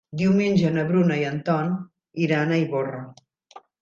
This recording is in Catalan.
Diumenge na Bruna i en Ton iran a Ivorra.